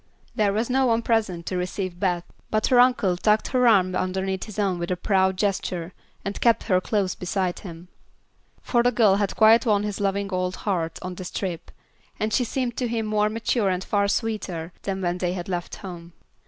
There was no one present to receive Beth, but her uncle tucked her arm underneath his own with a proud gesture and kept her close beside him. For the girl had quite won his loving old heart on this trip, and she seemed to him more mature and far sweeter than when they had left home.